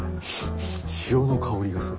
塩の香りがする。